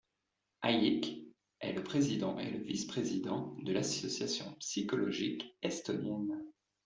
Allik était le président et le vice-président de l'association psychologique estonienne.